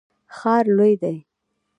ښار لوی دی.